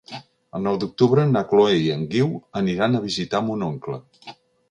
El nou d'octubre na Chloé i en Guiu aniran a visitar mon oncle.